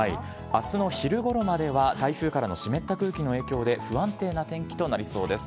あすの昼ごろまでは、台風からの湿った空気の影響で、不安定な天気となりそうです。